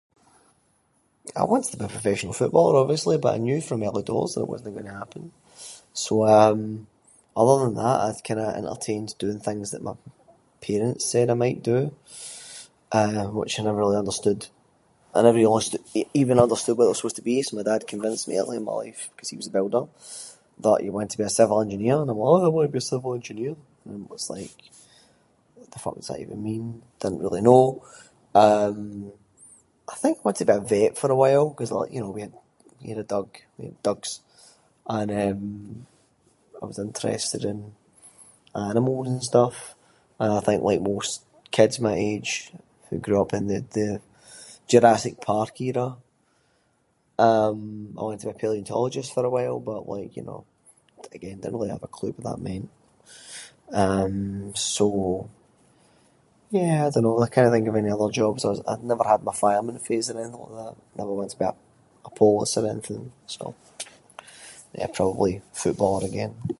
I wanted to be a professional footballer obviously, but I knew from early doors that wasnae going to happen. So, um, other than that I kind of entertained doing things that my parents said I might do, eh, which I never really understood. I never really- even understood what it was supposed to be, so my dad convinced me early in my life ‘cause he was a builder, that he wanted me to be a civil engineer, and I was like “why would I want to be a civil engineer”, and was like “what the fuck does that even mean”, didn’t really know. Um, I think wanted to be a vet for a while, ‘cause you know, we had a dug- dugs, and eh, I was interested in animals and stuff. And I think like most kids my age who grew up in the- the Jurassic Park era, um, I wanted to be a palaeontologist for a while, but like, you know, again didn’t really have a clue what that meant. Um so, yeah I don’t know, I cannae think of many other jobs, I never really had my fireman phase or anything like that. Never wanted to be a polis or anything. So yeah, probably footballer again.